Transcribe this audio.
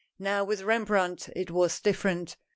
Now with Rembrandt, it was different.